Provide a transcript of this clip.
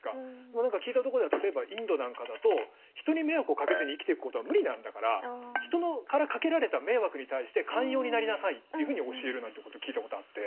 まあ何か聞いたところでは例えばインドなんかだと人に迷惑をかけずに生きていくことは無理なんだから人からかけられた迷惑に対して寛容になりなさいっていうふうに教えるなんてことを聞いたことあって。